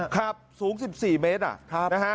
ครับสูง๑๔เมตรนะฮะ